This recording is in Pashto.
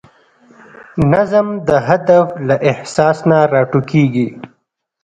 نظم د هدف له احساس نه راټوکېږي.